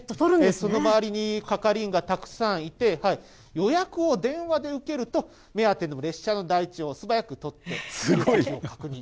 その周りに係員がたくさんいて、予約を電話で受けると、目当ての列車の台帳を素早く取って、確認。